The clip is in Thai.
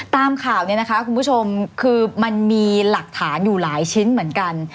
ตามข่าวเนี่ยนะคะคุณผู้ชมคือมันมีหลักฐานอยู่หลายชิ้นเหมือนกัน